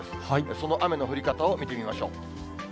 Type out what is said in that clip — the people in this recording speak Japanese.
その雨の降り方を見てみましょう。